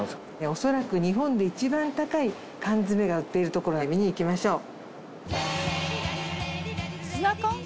おそらく日本で一番高い缶詰が売っているところへ見に行きましょう。